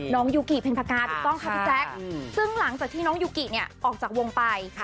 ยูกิเพ็ญภากาถูกต้องค่ะพี่แจ๊คซึ่งหลังจากที่น้องยูกิเนี่ยออกจากวงไป